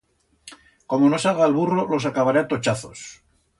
Como no salga el burro los acabaré a tochazos.